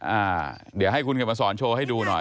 อ่าเดี๋ยวให้คุณเขียนมาสอนโชว์ให้ดูหน่อย